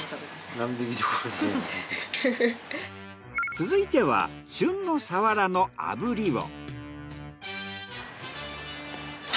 続いては旬のサワラの炙りを。